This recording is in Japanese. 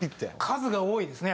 数が多いですね